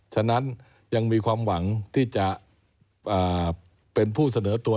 ฉะนั้นยังมีความหวังที่จะเป็นผู้เสนอตัว